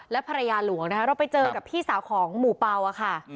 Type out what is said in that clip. และภรรยาหลวงนะคะเราไปเจอกับพี่สาวของหมู่เป่าค่ะ